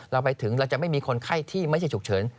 เราไปถึงเราจะไม่มีคนไข้ที่ไม่ใช่ฉุกเฉิน